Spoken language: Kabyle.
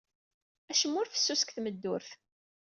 Acemma ur fessus deg tmeddurt.